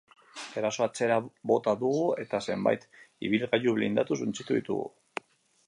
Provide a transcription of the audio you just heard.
Erasoa atzera bota dugu eta zenbait ibilgailu blindatu suntsitu ditugu.